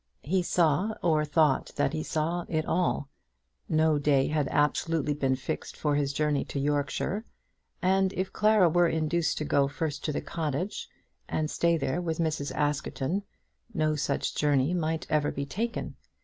He saw, or thought that he saw, it all. No day had absolutely been fixed for this journey to Yorkshire; and if Clara were induced to go first to the cottage, and stay there with Mrs. Askerton, no such journey might ever be taken.